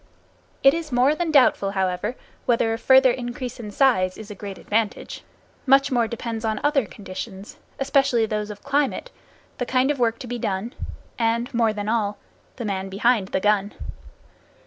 It is more than doubtful, however, whether a further increase in size is a great advantage. Much more depends on other conditions, especially those of climate, the kind of work to be done and, more than all, the man behind the gun.